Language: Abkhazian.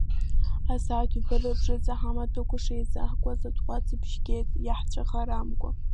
Асааҭ ҩба рыбжазы, ҳамаҭәақәа шеизаҳкуаз, атҟәацбжьы геит иаҳцәыхарамкәа.